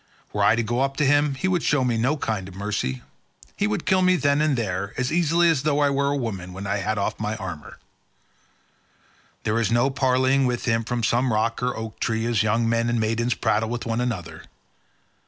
Were I to go up to him he would show me no kind of mercy; he would kill me then and there as easily as though I were a woman, when I had off my armour. There is no parleying with him from some rock or oak tree as young men and maidens prattle with one another.